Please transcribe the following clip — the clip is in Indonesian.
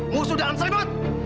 musuh dalam seribut